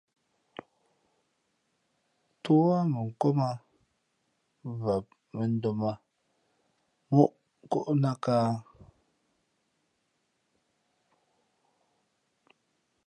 Tú á mʉnkóm ā, vam mᾱndōm ā móʼ kóʼnāt kāhā ?